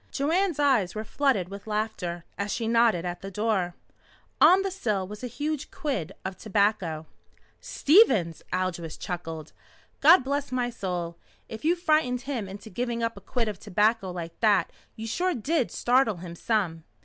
Joanne's eyes were flooded with laughter as she nodded at the door. On the sill was a huge quid of tobacco. "Stevens!" Aldous chuckled. "God bless my soul, if you frightened him into giving up a quid of tobacco like that you sure did startle him some!"